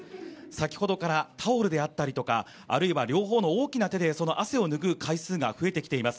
先ほどからタオルであったりとかあるいは両方の大きな手で、その汗をぬぐう回数が増えてきています。